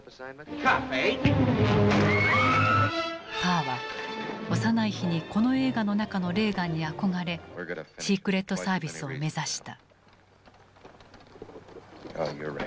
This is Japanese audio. パーは幼い日にこの映画の中のレーガンに憧れシークレットサービスを目指した。